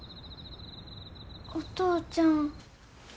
お父ちゃん。